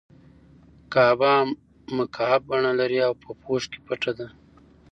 کعبه مکعب بڼه لري او په پوښ کې پټه ده.